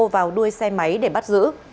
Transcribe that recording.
vào đuôi xe máy để bắt giữ